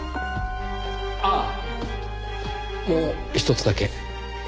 ああもうひとつだけ。